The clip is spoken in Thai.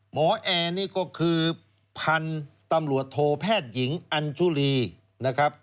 แอร์นี่ก็คือพันธุ์ตำรวจโทแพทย์หญิงอัญชุรีนะครับ